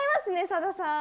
さださん。